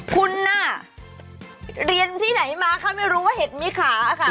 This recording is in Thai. คุณน่ะเรียนที่ไหนมาเขาไม่รู้ว่าเห็ดมีขาค่ะ